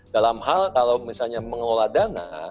dalam hal kalau misalnya mengelola dana